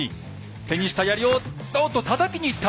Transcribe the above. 手にした槍をおっとたたきにいった！